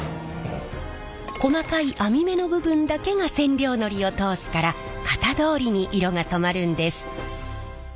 細かい網目の部分だけが染料のりを通すから型どおりに色が染まるんです。